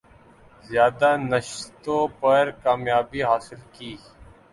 زیادہ نشستوں پر کامیابی حاصل کی